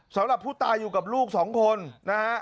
สำหรับผู้ตายอยู่กับลูกสองคนนะฮะ